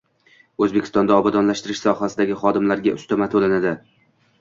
O‘zbekistonda obodonlashtirish sohasidagi xodimlarga ustama to‘lanadi